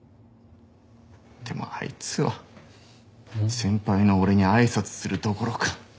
でもあいつは先輩の俺にあいさつするどころか。